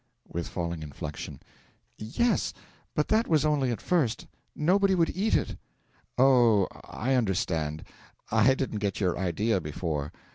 with falling inflection. 'Yes but that was only at first; nobody would eat it.' 'Oh I understand. I didn't get your idea before.'